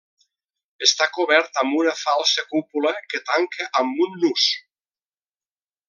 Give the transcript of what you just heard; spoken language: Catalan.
Està cobert amb una falsa cúpula que tanca amb un nus.